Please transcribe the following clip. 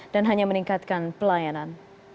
dan hanya meningkatkan pelayanan